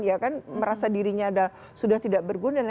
ya kan merasa dirinya sudah tidak berguna